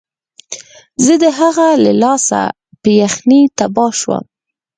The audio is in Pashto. زه د هغه له لاسه په یخنۍ تباه شوم